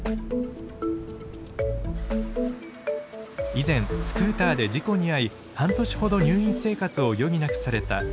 以前スクーターで事故に遭い半年ほど入院生活を余儀なくされた依田さん。